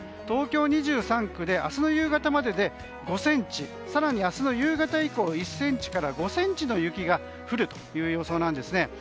東京２３区で明日の夕方までで５ｃｍ更に明日の夕方以降１ｃｍから５ｃｍの雪が降るという予想。